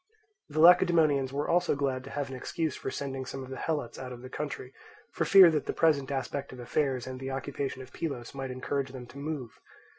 The Lacedaemonians were also glad to have an excuse for sending some of the Helots out of the country, for fear that the present aspect of affairs and the occupation of Pylos might encourage them to move.